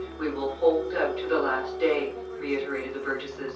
"We will hold out to the last day," reiterated the burgesses.